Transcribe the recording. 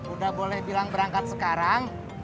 udah boleh bilang berangkat sekarang